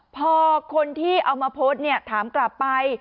พอคนที่เอามาโพสต์เนี่ยถามกลับไป